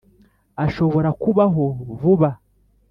ashobora kubaho vuba.